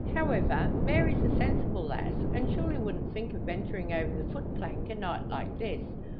However, Mary's a sensible lass, and surely wouldn't think of venturing over the foot plank a night like this.